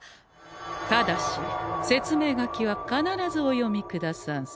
ただし説明書きは必ずお読みくださんせ。